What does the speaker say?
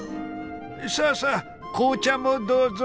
さあさあ紅茶もどうぞ。